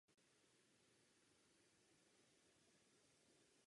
Působil rovněž jako předseda brněnské pobočky "Svazu československých skladatelů".